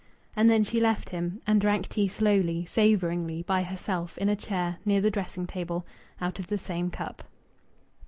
And then she left him, and drank tea slowly, savouringly, by herself in a chair near the dressing table, out of the same cup.